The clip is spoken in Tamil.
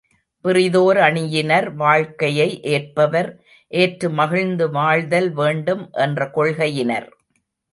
பிறிதோர் அணியினர் வாழ்க்கையை ஏற்பவர் ஏற்று மகிழ்ந்து வாழ்தல் வேண்டும் என்ற கொள்கையினர்.